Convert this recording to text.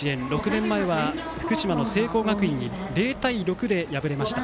６年前は福島の聖光学院に０対６で敗れました。